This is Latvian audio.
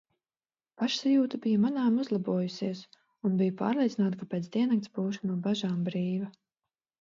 Pašsajūta bija manāmi uzlabojusies un biju pārliecināta, ka pēc diennakts būšu no bažām brīva.